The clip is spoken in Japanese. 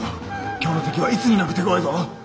今日の敵はいつになく手ごわいぞ。